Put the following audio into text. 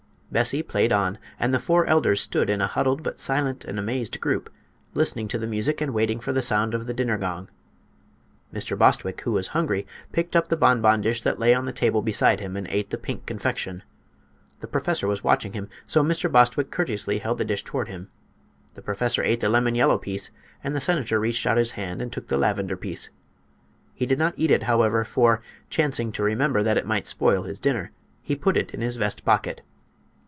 Bessie played on; and the four elders stood in a huddled but silent and amazed group, listening to the music and waiting for the sound of the dinner gong. Mr. Bostwick, who was hungry, picked up the bonbon dish that lay on the table beside him and ate the pink confection. The professor was watching him, so Mr. Bostwick courteously held the dish toward him. The professor ate the lemon yellow piece and the senator reached out his hand and took the lavender piece. He did not eat it, however, for, chancing to remember that it might spoil his dinner, he put it in his vest pocket.